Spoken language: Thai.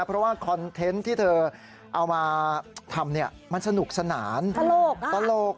เพราะว่าคอนเทนต์ที่เธอเอามาทำมันสนุกสนานตลก